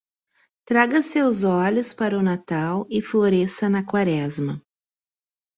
Traga seus olhos para o Natal e floresça na Quaresma.